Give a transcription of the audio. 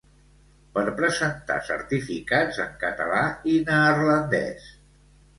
Per presentar certificats en català i neerlandès.